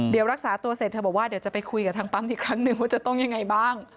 เดี๋ยวรักษาตัวเสร็จเธอบอกว่าเดี๋ยวจะไปคุยกับทางปั๊มอีกครั้งหนึ่งว่าจะต้องยังไงบ้าง